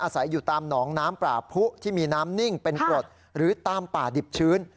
อาศัยอยู่ตามหนองน้ำป่าผู้ที่มีน้ำนิ่งเป็นกรดหรือตามป่าดิบชื้น